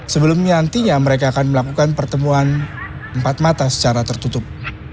sebelumnya nantinya mereka akan melakukan pertemuan empat mata secara tertutup